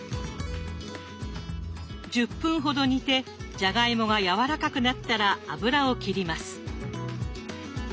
１０分ほど煮てじゃがいもがやわらかくなったら油を切ります。